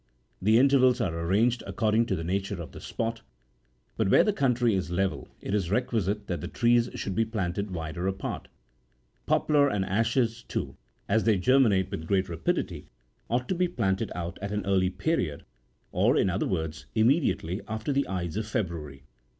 The intervals are arranged according to the nature of the spot ; but where the country is level, it is requisite that the trees should be planted wider apart. Poplars and ashes, too, as they ger minate with greater rapidity, ought to be planted out at an earlier period, or, in other words, immediately after the ides of February.